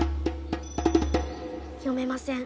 読めません。